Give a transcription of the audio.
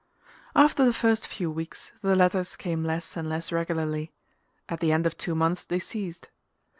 After the first few weeks, the letters came less and less regularly: at the end of two months they ceased.